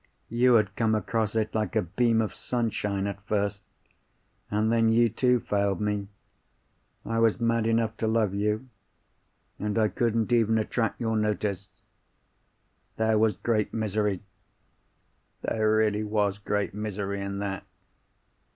You had come across it like a beam of sunshine at first—and then you too failed me. I was mad enough to love you; and I couldn't even attract your notice. There was great misery—there really was great misery in that.